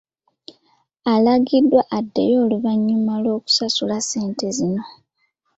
Alagiddwa addeyo oluvannyuma lw'okusasula ssente zino.